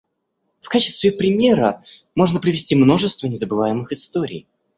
В качестве примера можно привести множество незабываемых историй.